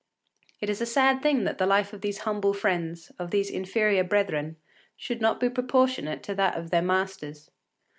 It is a sad thing that the life of these humble friends, of these inferior brethren, should not be proportionate to that of their masters.